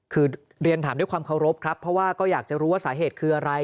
คือเรียนถามด้วยความเคารพครับเพราะว่าก็อยากจะรู้ว่าสาเหตุคืออะไร